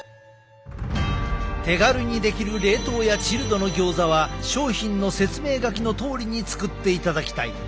手軽にできる冷凍やチルドのギョーザは商品の説明書きのとおりに作っていただきたい。